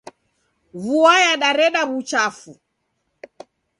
Vua yadareda wuchafu.